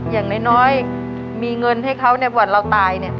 อย่างน้อยมีเงินให้เขาเนี่ยวันเราตาย